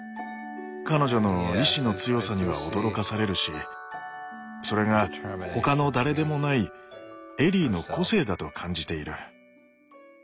彼女の意志の強さには驚かされるしそれが他の誰でもないエリーの個性だと感じている。